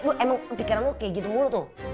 lu emang pikiran lu kayak gitu mulu tuh